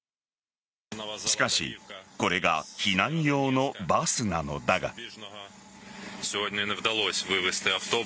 しかしこれが避難用のバスなのだが。